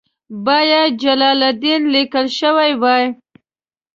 باید جلال الدین لیکل شوی وای.